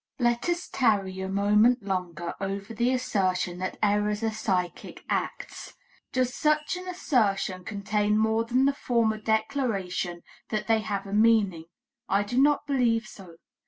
Let us tarry a moment longer over the assertion that errors are psychic acts. Does such an assertion contain more than the former declaration that they have a meaning? I do not believe so.